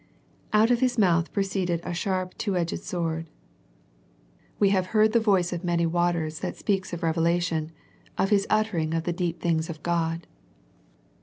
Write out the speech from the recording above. " Out of His mouth proceeded a sharp two edged sword/' We have heard the voice of many waters that speaks of revelation, of His uttering of the deep things of God.